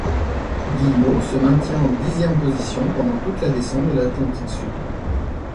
Guillemot se maintient en dixième position pendant toute la descente de l'Atlantique sud.